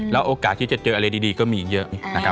โอกาสที่จะเจออะไรดีก็มีเยอะนะครับ